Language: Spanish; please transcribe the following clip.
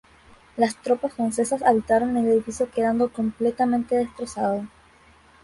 Las tropas francesas habitaron el edificio quedando completamente destrozado.